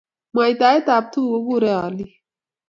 Mwaitaet ab tuguk kokurei alik